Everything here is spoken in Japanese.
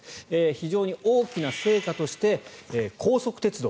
非常に大きな成果として高速鉄道。